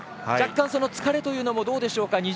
若干、その疲れというのもどうでしょうか。